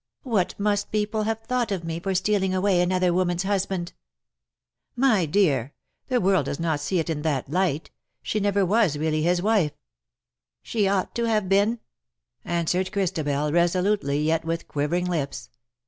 What must people have thought of me for stealing away another woman's husband?" "My dear, the world docs not see it in that light. She never was really his wife." s •> 260 LE SECRET DE POLICHINELLE. " She ought to have been/' answered Christabel, resolutely^ yet with quivering lips.